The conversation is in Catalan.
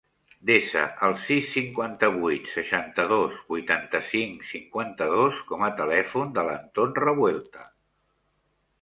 Desa el sis, cinquanta-vuit, seixanta-dos, vuitanta-cinc, cinquanta-dos com a telèfon de l'Anton Revuelta.